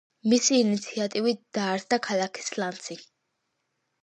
მისი ინიციატივით დაარსდა ქალაქი სლანცი.